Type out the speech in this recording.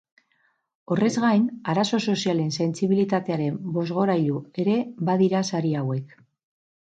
Horrez gain, arazo sozialen sentsibilitatearen bozgorailu ere badira sari hauek.